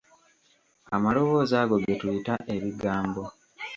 Amaloboozi ago ge tuyita ebigambo.